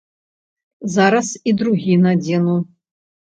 Зараз і другі надзену!